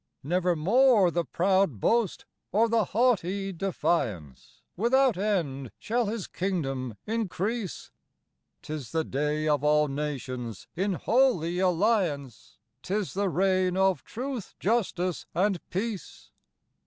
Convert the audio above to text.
Nevermore the proud boast or the haughty defiance; Without end shall His kingdom increase; 'Tis the day of all nations in Holy Alliance, 'Tis the reign of truth, justice, and peace.